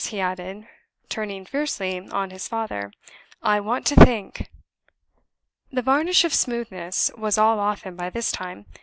he added, turning fiercely on his father. "I want to think." The varnish of smoothness was all off him by this time.